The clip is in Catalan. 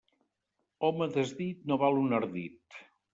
Home desdit no val un ardit.